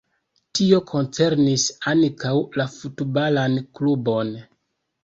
Tio koncernis ankaŭ la futbalan klubon.